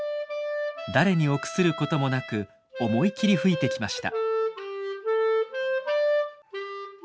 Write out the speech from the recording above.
誰に臆することもなく思い切り吹いてきました。